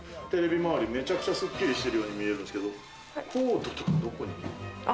テレビ周り、めちゃくちゃすっきりしてるように見えるんですけど、コードとかどこに？